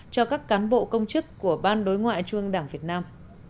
cho các cán bộ công chức của ban đối ngoại trung đảng việt nam